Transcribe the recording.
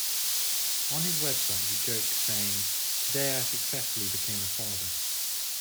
On his website he jokes saying, "Today I successfully became a father!"